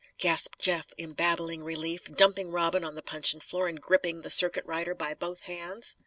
gasped Jeff in babbling relief, dumping Robin on the puncheon floor and gripping the circuit rider by both hands.